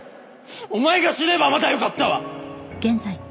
お前が死ねばまだよかったわ！